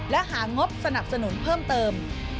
และหางบสนับสนุนเพิ่มเติม